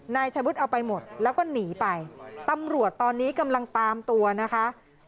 นายชะวุฒิเอาไปหมดแล้วก็หนีไปตำรวจตอนนี้กำลังตามตัวนะคะ